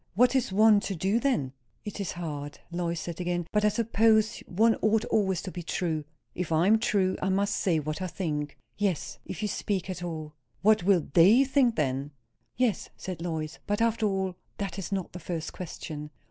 "What is one to do then?" "It is hard," Lois said again. "But I suppose one ought always to be true." "If I am true, I must say what I think." "Yes. If you speak at all." "What will they think then?" "Yes," said Lois. "But, after all, that is not the first question."